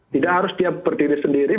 tidak harus dia berdiri sendiri